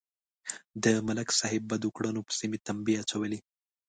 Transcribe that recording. د ملک صاحب بدو کړنو پسې مې تمبې اچولې.